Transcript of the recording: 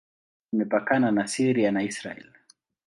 Imepakana na Syria na Israel.